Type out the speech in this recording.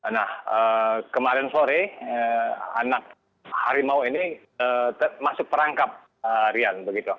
nah kemarin sore anak harimau ini masuk perangkap rian begitu